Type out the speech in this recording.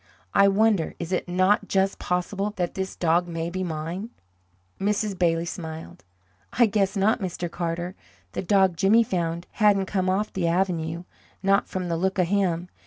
I wonder is it not just possible that this dog may be mine?" Mrs. Bailey smiled. "I guess not, Mr. Carter. The dog Jimmy found hadn't come off the avenue not from the look of him.